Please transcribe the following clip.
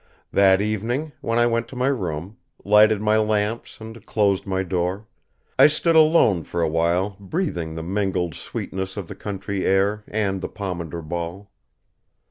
That evening, when I went to my room, lighted my lamps and closed my door, I stood alone for awhile breathing the mingled sweetness of the country air and the pomander ball.